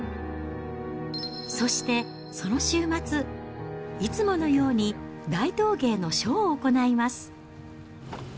そして、その週末、いつものように大道芸のショーを行います。